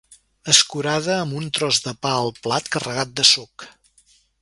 Escurada amb un tros de pa al plat carregat de suc.